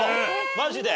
マジで？